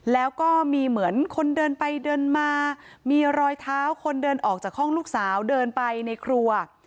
แล้วก็มีเหมือนคนเดินไปเดินมามีรอยเท้าคนเดินออกจากห้องลูกสาวเดินไปในครัว